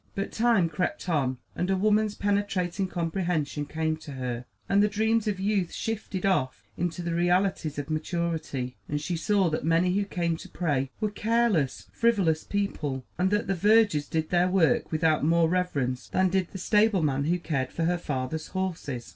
But time crept on and a woman's penetrating comprehension came to her, and the dreams of youth shifted off into the realities of maturity, and she saw that many who came to pray were careless, frivolous people, and that the vergers did their work without more reverence than did the stablemen who cared for her father's horses.